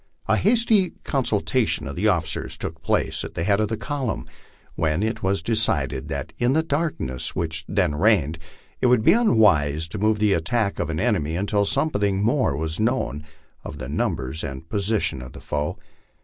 A hasty consultation of the officers took place at the head of the column, when it was decided that in the darkness which then reigned it would be unwise to move to the attack of an enemy until something more was known of the numbers and position of the foe.